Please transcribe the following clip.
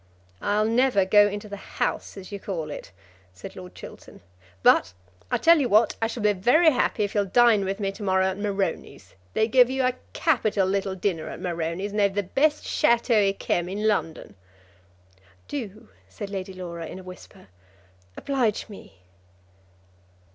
"I'll never go into the House, as you call it," said Lord Chiltern. "But, I'll tell you what; I shall be very happy if you'll dine with me to morrow at Moroni's. They give you a capital little dinner at Moroni's, and they've the best Château Yquem in London." "Do," said Lady Laura, in a whisper. "Oblige me."